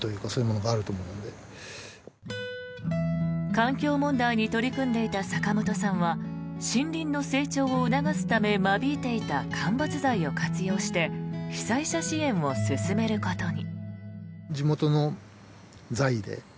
環境問題に取り組んでいた坂本さんは森林の成長を促すため間引いていた間伐材を活用して被災者支援を進めることに。